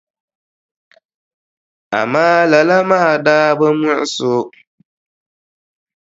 Amaa lala maa daa bi muɣisi o.